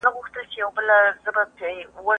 کله چې سوارلۍ راشي نو زه به حرکت وکړم.